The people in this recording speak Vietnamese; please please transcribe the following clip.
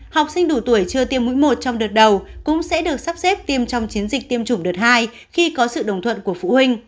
học sinh đủ tuổi chưa tiêm mũi một trong đợt đầu cũng sẽ được sắp xếp tiêm trong chiến dịch tiêm chủng đợt hai khi có sự đồng thuận của phụ huynh